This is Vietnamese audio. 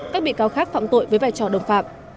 các bị cáo khác phạm tội với vai trò đồng phạm